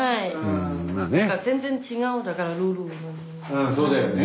うんそうだよね